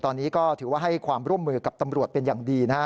ตอนนี้ก็ถือว่าให้ความร่วมมือกับตำรวจเป็นอย่างดีนะฮะ